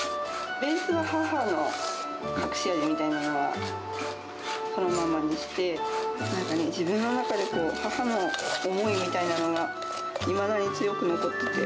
ベースは母の隠し味みたいなのはそのままにして、自分の中で母の思いみたいなのがいまだに強く残ってて。